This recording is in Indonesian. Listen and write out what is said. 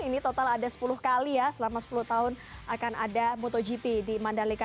ini total ada sepuluh kali ya selama sepuluh tahun akan ada motogp di mandalika